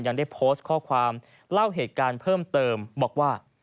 ยังได้โพสต์ข้อความเล่าเหตุการณ์เพิ่มเติมบอกว่า